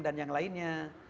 dan yang lainnya